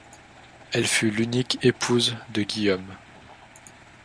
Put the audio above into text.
Elle fut l'unique épouse de Guillaume.